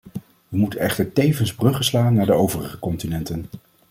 We moeten echter tevens bruggen slaan naar de overige continenten.